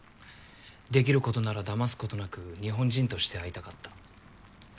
できることなら騙すことなく日本人として会いたかった。